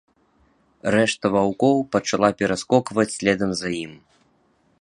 Рэшта ваўкоў пачала пераскокваць следам за ім.